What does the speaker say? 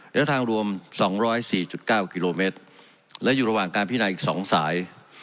และทางรวมสองร้อยสี่จุดเก้ากิโลเมตรและอยู่ระหว่างการพินันอีกสองสาย